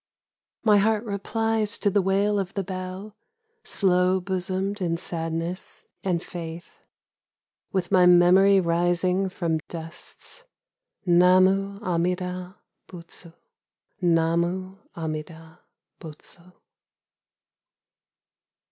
My heart replies to the wail of the bell, Slow bosomed in sadness and faith, With my memory rising from dusts, Namu amida butsu ! Namu amida butsu